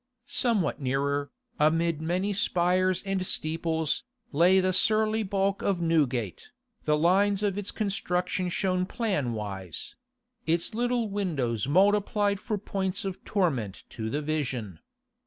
Somewhat nearer, amid many spires and steeples, lay the surly bulk of Newgate, the lines of its construction shown plan wise; its little windows multiplied for points of torment to the vision.